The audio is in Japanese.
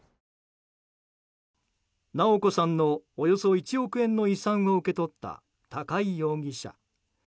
直子さんのおよそ１億円の遺産を受け取った高井容疑者。